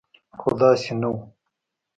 خو داسې نه و.